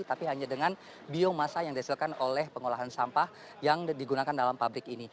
tapi hanya dengan biomasa yang dihasilkan oleh pengolahan sampah yang digunakan dalam pabrik ini